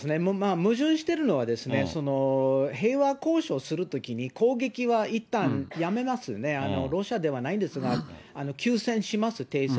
矛盾してるのは、平和交渉するときに、攻撃はいったんやめますよね、ロシアではないんですが、休戦します、停戦。